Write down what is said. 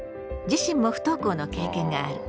自身も不登校の経験がある。